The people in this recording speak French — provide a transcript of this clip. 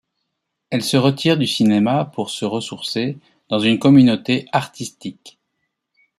Elle se retire du cinéma, pour se ressourcer, dans une communauté artistique.